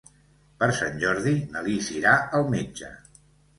Per Sant Jordi na Lis irà al metge.